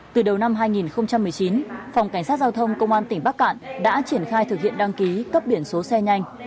từ đầu năm hai nghìn một mươi chín phòng cảnh sát giao thông công an tỉnh bắc cạn đã triển khai thực hiện đăng ký cấp biển số xe nhanh